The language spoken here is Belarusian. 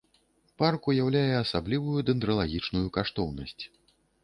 Парк уяўляе асаблівую дэндралагічную каштоўнасць.